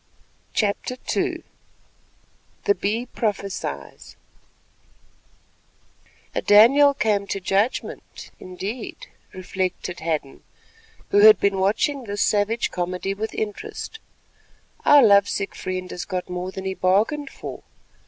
CHAPTER II THE BEE PROPHESIES "'A Daniel come to judgment' indeed," reflected Hadden, who had been watching this savage comedy with interest; "our love sick friend has got more than he bargained for.